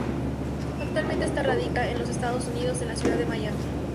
Actualmente está radicada en los Estados Unidos, en la ciudad de Miami.